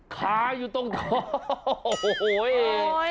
ขาอยู่ตรงท้อโอ้โฮ้ย